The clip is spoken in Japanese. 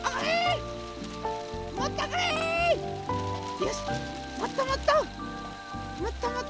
よしもっともっと！